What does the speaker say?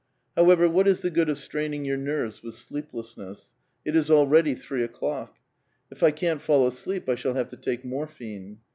However, what is the good of straining your nerves with sleeplessness? It is already three o'clock. " If I can't fall asleep, 1 shall have to take morphine."